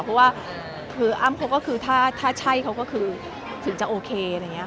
เพราะว่าอ้ำพวกก็คือหากใช่ก็คือถึงจะโอเค